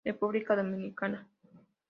República Dominicana